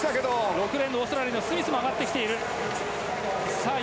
６レーンのオーストラリアのスミスも上がってきている。